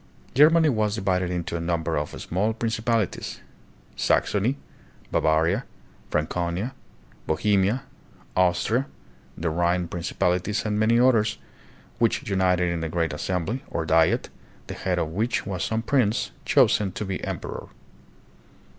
Germany was divided into a number of small princi palities, Saxony, Bavaria, Franconia, Bohemia, Austria, the Rhine principalities, and many others, which united in a great assembly, or Diet, the head of which was some prince, chosen to be emperor.